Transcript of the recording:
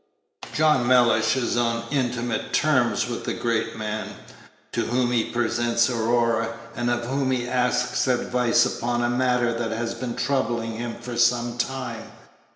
John Mellish is on intimate terms with the great man, to whom he presents Aurora, and of whom he asks advice upon a matter that has been troubling him for some time.